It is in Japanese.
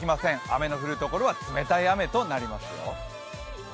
雨の降る所は冷たい雨となりますよ。